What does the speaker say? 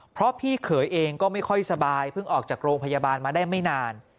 เพราะพี่เขยเองก็ไม่ค่อยสบายเพิ่งออกจากโรงพยาบาลมาได้ไม่นาน